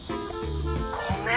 ごめん。